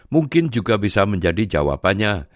mungkin juga bisa menjadi jawabannya